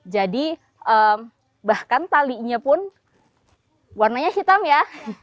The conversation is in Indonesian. jadi bahkan talinya pun warnanya hitam ya